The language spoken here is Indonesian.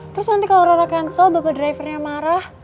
terus nanti kalau roro cancel bapak drivernya marah